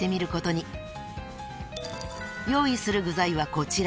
［用意する具材はこちら。